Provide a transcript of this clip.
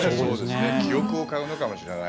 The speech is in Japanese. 記憶を買うのかもしれない。